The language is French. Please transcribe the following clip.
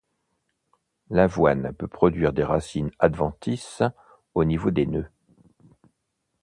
L’avoine peut produire des racines adventices au niveau des nœuds.